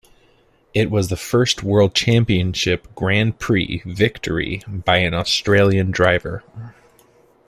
It was the first World Championship Grand Prix victory by an Australian driver.